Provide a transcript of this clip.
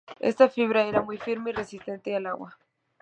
Esta fibra era muy firme y resistente al agua.